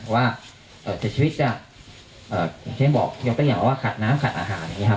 ว่าเสียชีวิตจากอย่างที่บอกยกตัวอย่างว่าขาดน้ำขัดอาหารอย่างนี้ครับ